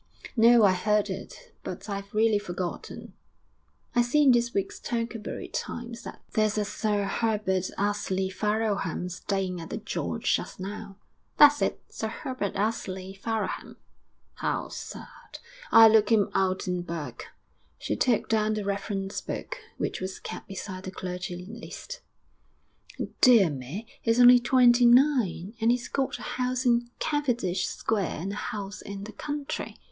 'No; I heard it, but I've really forgotten.' 'I see in this week's Tercanbury Times that there's a Sir Herbert Ously Farrowham staying at the "George" just now.' 'That's it. Sir Herbert Ously Farrowham.' 'How sad! I'll look him out in Burke.' She took down the reference book, which was kept beside the clergy list. 'Dear me, he's only twenty nine.... And he's got a house in Cavendish Square and a house in the country.